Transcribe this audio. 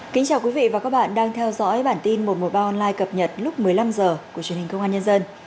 kính chào quý vị và các bạn đang theo dõi bản tin một trăm một mươi ba online cập nhật lúc một mươi năm h của truyền hình công an nhân dân